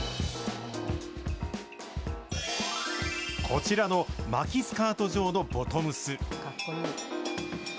こちらの巻きスカート状のボトムス。